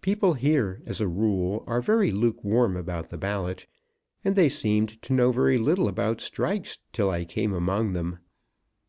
People here, as a rule, are very lukewarm about the ballot, and they seemed to know very little about strikes till I came among them.